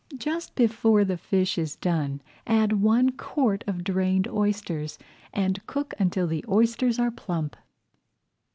Just before the fish is done add one quart of drained oysters and cook until the oysters are plump.